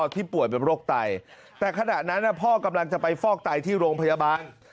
ป่วยเป็นโรคไตแต่ขณะนั้นพ่อกำลังจะไปฟอกไตที่โรงพยาบาล